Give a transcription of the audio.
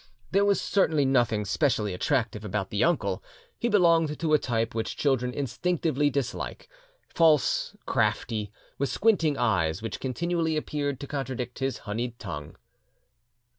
There was certainly nothing specially attractive about the uncle: he belonged to a type which children instinctively dislike, false, crafty, with squinting eyes which continually appeared to contradict his honeyed tongue.